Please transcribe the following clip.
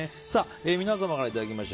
皆様からいただきました